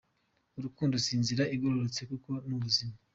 Urukundo si inzira igororotse kuko n’ubuzima.